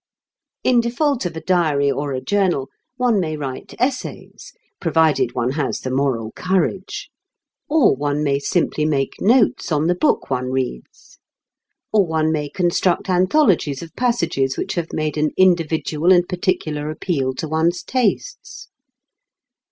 In default of a diary or a journal, one may write essays (provided one has the moral courage); or one may simply make notes on the book one reads. Or one may construct anthologies of passages which have made an individual and particular appeal to one's tastes.